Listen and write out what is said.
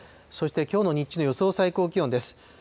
そして、きょうの日中の予想最高気温です。